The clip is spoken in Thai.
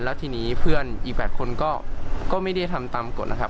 แล้วทีนี้เพื่อนอีก๘คนก็ไม่ได้ทำตามกฎนะครับ